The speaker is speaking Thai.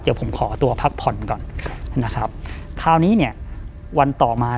เดี๋ยวผมขอตัวพักผ่อนก่อนนะครับคราวนี้เนี่ยวันต่อมา